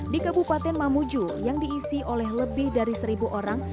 di kabupaten mamuju yang diisi oleh lebih dari seribu orang